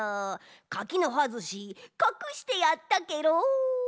柿の葉ずしかくしてやったケロ。